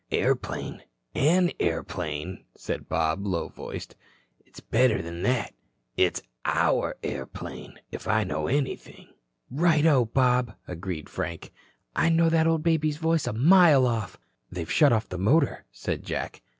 "Airplane? An airplane?" said Bob, low voiced. "It's better than that. It's our airplane, if I know anything." "Righto, Bob," agreed Frank. "I'd know the old baby's voice a mile off." "They've shut off the motor," said Jack.